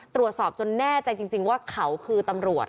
ตรวจสอบจนแน่ใจจริงว่าเขาคือตำรวจ